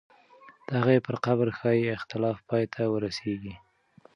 د هغې پر قبر ښایي اختلاف پای ته ورسېږي.